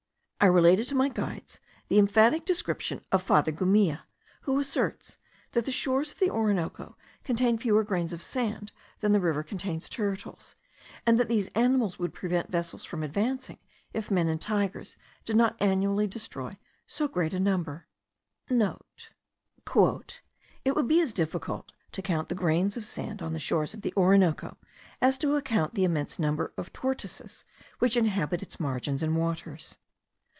I related to my guides the emphatic description of Father Gumilla, who asserts, that the shores of the Orinoco contain fewer grains of sand than the river contains turtles; and that these animals would prevent vessels from advancing, if men and tigers did not annually destroy so great a number.* (* "It would be as difficult to count the grains of sand on the shores of the Orinoco, as to count the immense number of tortoises which inhabit its margins and waters.